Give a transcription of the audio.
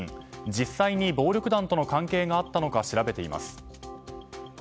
実際に、暴力団との関係があったのか調べています。